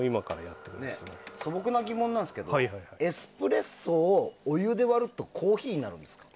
素朴な疑問なんですけどエスプレッソをお湯で割るとコーヒーになるんですか？